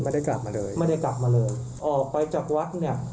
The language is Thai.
ไม่ได้กลับมาเลยไม่ได้กลับมาเลยออกไปจากวัดเนี่ย